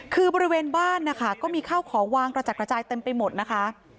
คือบริเวณบ้านนะคะก็มีข้าวของวางกระจัดกระจายเต็มไปหมดนะคะ